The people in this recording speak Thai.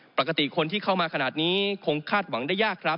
ปกติคนที่เข้ามาขนาดนี้คงคาดหวังได้ยากครับ